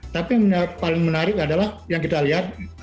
tapi yang paling menarik adalah yang kita lihat